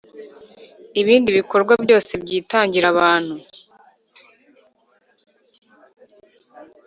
ibindi bikorwa byose byitangira abantu